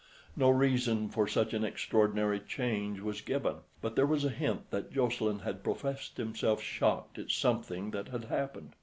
No reason for such an extraordinary change was given; but there was a hint that Jocelyn had professed himself shocked at something that had happened.